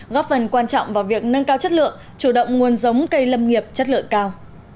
góp phần quan trọng vào việc nâng cao chất lượng chủ động nguồn giống cây lâm nghiệp chất lượng cao